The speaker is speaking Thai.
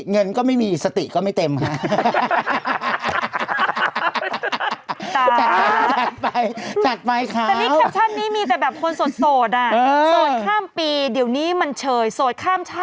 เงินก็ไม่มีสติก็ไม่เต็มค่ะ